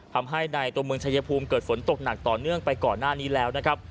ทำให้ในตัวเมืองชายภูมิเกิดฝนตกหนักต่อเนื่องไปก่อนหน้านี้แล้วนะครับ